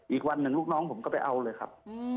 อีกวันหนึ่งลูกน้องผมก็ไปเอาเลยครับ